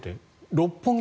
六本木